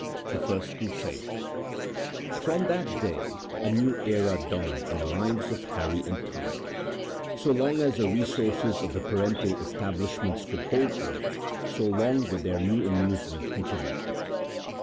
The First Crusade[edit] From that day a new era dawned in the lives of Harry and Tommy. So long as the resources of the parental establishments could hold out so long would their new amusement continue.